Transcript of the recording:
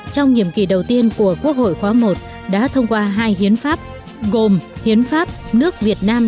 trong nhiệm kỳ đầu tiên của quốc hội khóa một đã thông qua hai hiến pháp gồm hiến pháp nước việt nam